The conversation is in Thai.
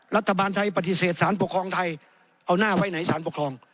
รัฐบาลไทยปฏิเสธสารปกครองไทยเอาหน้าไว้ไหนสารปกครอง